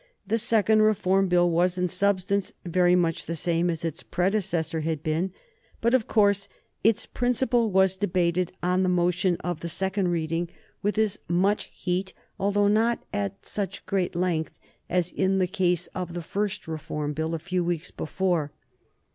The second Reform Bill was in substance very much the same as its predecessor had been, but of course its principle was debated on the motion of the second reading with as much heat, although not at such great length, as in the case of the first Reform Bill a few weeks before.